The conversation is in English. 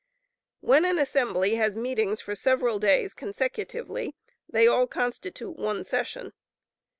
] When an assembly has meetings for several days consecutively, they all constitute one session.